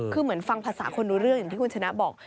คือเหมือนฟังภาษาคนรู้เรื่องอย่างที่คุณชนะบอก